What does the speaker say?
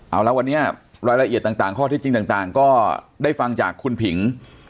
เอาละวันนี้รายละเอียดต่างข้อที่จริงต่างก็ได้ฟังจากคุณผิง